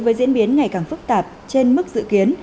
với diễn biến ngày càng phức tạp trên mức dự kiến